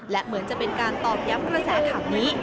และเหมือนจะเป็นการตอกย้ำกระแสข่าวนี้